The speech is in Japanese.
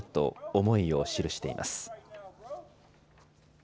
思いを記しています。